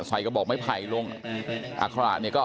ใส่กระบอกไม่ไผลลง